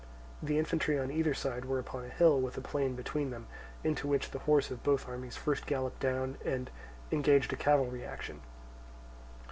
The infantry on either side were upon a hill, with a plain between them, into which the horse of both armies first galloped down and engaged a cavalry action.